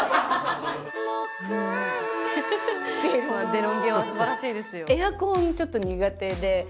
デロンギは素晴らしいですよ。